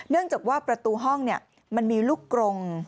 เนื่องจากว่าประตูห้องมีลูกกลง